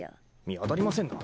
見当たりませんな。